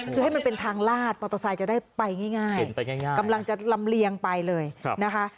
คือให้มันเป็นทางลาดมอเตอร์ไซค์จะได้ไปง่ายกำลังจะลำเลียงไปเลยนะคะ